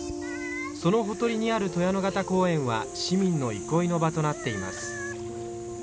そのほとりにある鳥屋野潟公園は市民の憩いの場となっています。